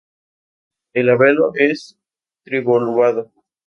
El labelo es trilobulado.